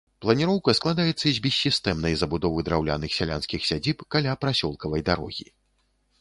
Планіроўка складаецца з бессістэмнай забудовы драўляных сялянскіх сядзіб каля прасёлкавай дарогі.